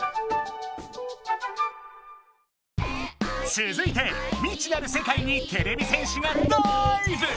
つづいて未知なる世界にてれび戦士がダイブ！